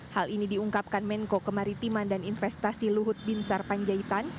hal ini diungkapkan menko kemaritiman dan investasi luhut binsar panjaitan